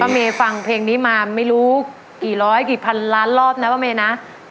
เมย์ฟังเพลงนี้มาไม่รู้กี่ร้อยกี่พันล้านรอบนะป้าเมย์นะ